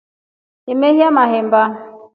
Eneyaa mahemba.